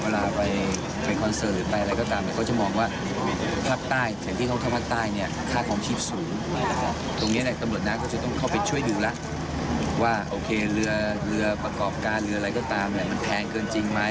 เราก็ต้องเข้าไปช่วยดูว่าเรือประกอบการเรืออะไรก็ตามแพงเกินจริงมั้ย